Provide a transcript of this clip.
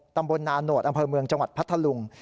ตำบลนานโหดอำเภอเมืองจังหวัดพัทธลุง